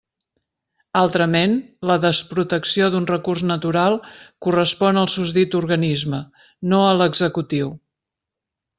Altrament, la desprotecció d'un recurs natural correspon al susdit organisme, no a l'executiu.